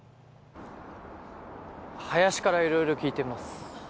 林からいろいろ聞いてます。